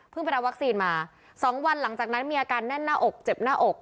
ไปรับวัคซีนมา๒วันหลังจากนั้นมีอาการแน่นหน้าอกเจ็บหน้าอก